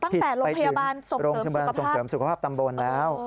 ตั้งแต่โรงพยาบาลส่งเสริมสุขภาพส่งเสริมสุขภาพตำบลแล้ว